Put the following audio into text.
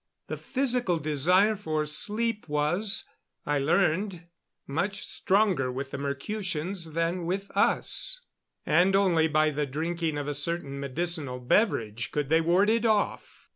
The physical desire for sleep was, I learned, much stronger with the Mercutians than with us; and only by the drinking of a certain medicinal beverage could they ward it off.